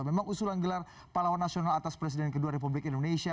memang usulan gelar pahlawan nasional atas presiden kedua republik indonesia